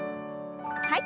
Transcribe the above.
はい。